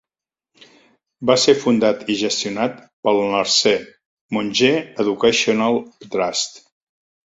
Va ser fundat i gestionat pel Narsee Monjee Educational Trust.